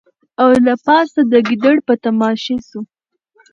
او له پاسه د ګیدړ په تماشې سو